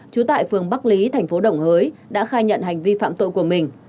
trú tại phường bắc lý thành phố đồng hới đã khai nhận hành vi phạm tội của mình